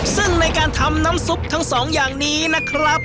ซึ่งในการทำน้ำซุปทั้งสองอย่างนี้นะครับ